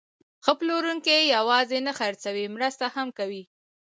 ښه پلورونکی یوازې نه خرڅوي، مرسته هم کوي.